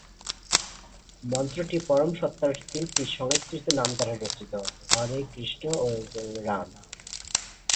মন্ত্রটি পরম সত্তার তিনটি সংস্কৃত নাম দ্বারা রচিত; "হরে," "কৃষ্ণ," এবং "রাম।"